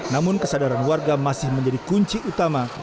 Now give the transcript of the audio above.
namun kesadaran warga masih menjadi kunci utama